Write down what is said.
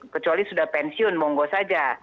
kecuali sudah pensiun monggo saja